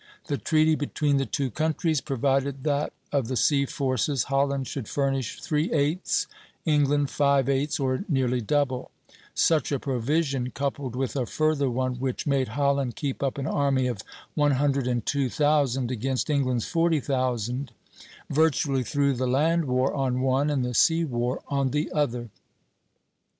The treaty between the two countries provided that of the sea forces Holland should furnish three eighths, England five eighths, or nearly double. Such a provision, coupled with a further one which made Holland keep up an army of 102,000 against England's 40,000, virtually threw the land war on one and the sea war on the other.